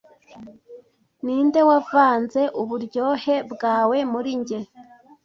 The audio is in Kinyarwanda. ninde wavanze uburyohe bwawe muri njye